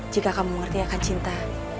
jika kamu mengerti akan cinta